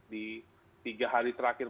di tiga hari terakhir